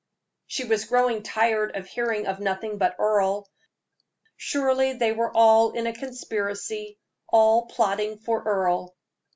She was growing tired of hearing of nothing but Earle. Surely they were all in a conspiracy, all plotting for Earle.